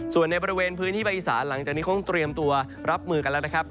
ส่วนในบริเวณพื้นที่ภาคอีสานหลังจากนี้คงเตรียมตัวรับมือกันแล้วนะครับ